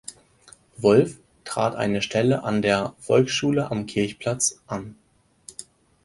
Wolff trat eine Stelle an der "Volksschule am Kirchplatz" an.